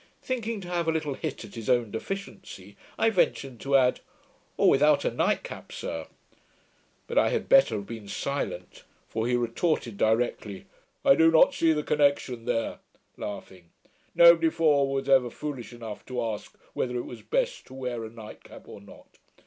Thinking to have a little hit at his own deficiency, I ventured to add, 'or without a night cap, sir'. But I had better have been silent; for he retorted directly, 'I do not see the connection there'. 'Nobody before was ever foolish enough to ask whether it was best to wear a night cap or not.